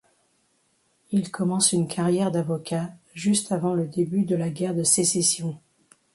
Il commence une carrière d'avocat juste avant le début de la guerre de Sécession.